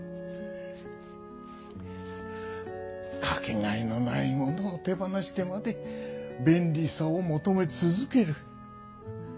かけがえのないものを手放してまで便利さをもとめつづける。